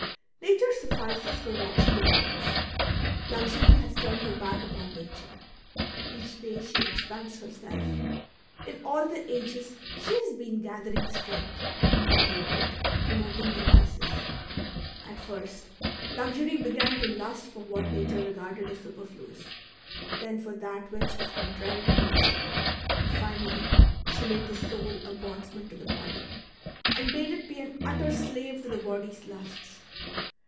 Nature suffices for what she demands. Luxury has turned her back upon nature ; each day she expands herself, in all the ages she' has been gathering strength^ and by her wit promoting the vices. At first, luxury began to lust for what nature regarded as superfluous, then for that which was contraiy to nature ; and finally she made the soul a bondsman to the body, and bade it be an utter slave to the body's lusts.